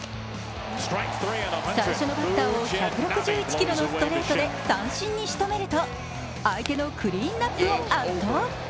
最初のバッターを１６１キロのストレートで三振にしとめると、相手のクリーンアップを圧倒。